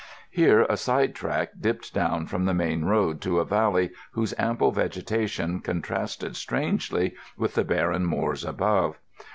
Here a side track dipped down from the main road to a valley whose ample vegetation contrasted strangely with the barren moors above.